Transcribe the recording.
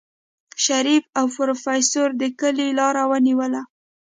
شريف او پروفيسر د کلي لار ونيوله.